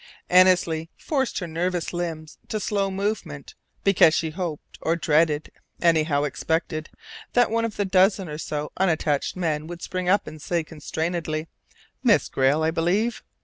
Annesley forced her nervous limbs to slow movement, because she hoped, or dreaded anyhow, expected that one of the dozen or so unattached men would spring up and say, constrainedly, "Miss Grayle, I believe?